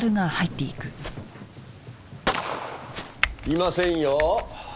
いませんよ。